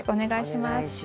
お願いします。